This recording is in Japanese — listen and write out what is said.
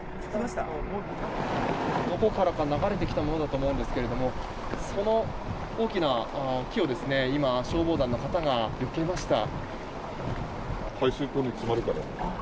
どこからか流れてきたものだと思うんですがその大きな木を消防団の方が今よけました。